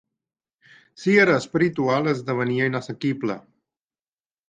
Si era espiritual esdevenia inassequible